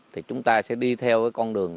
thì chúng ta sẽ đi theo con đường